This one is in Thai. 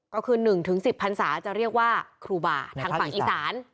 ก็คือ๑๑๐พันศาจะเรียกว่าครูบาทางฝั่งอีสาน